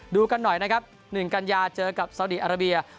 ดูกันหน่อยนะครับ๑กันยาเจอกับสาวดีอาราเบีย